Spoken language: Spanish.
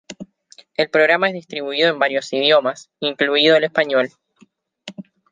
El programa es distribuido en varios idiomas, incluido el español.